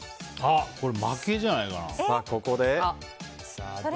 これ、負けじゃないかな。